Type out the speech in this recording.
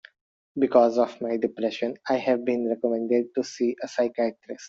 Because of my depression, I have been recommended to see a psychiatrist.